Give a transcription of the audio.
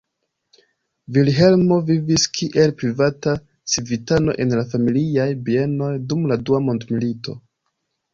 Vilhelmo vivis kiel privata civitano en la familiaj bienoj dum la Dua Mondmilito.